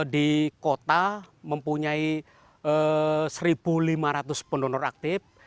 di kota mempunyai satu lima ratus pendonor aktif